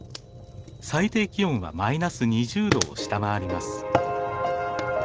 最低気温はマイナス２０℃を下回ります。